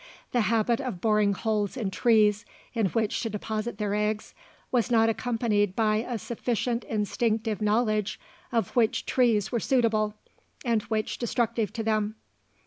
The habit of boring holes in trees in which to deposit their eggs, was not accompanied by a sufficient instinctive knowledge of which trees were suitable, and which destructive to them.